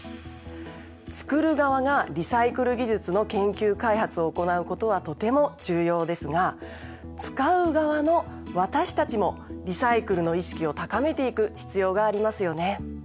「つくる側」がリサイクル技術の研究開発を行うことはとても重要ですが「つかう側」の私たちもリサイクルの意識を高めていく必要がありますよね。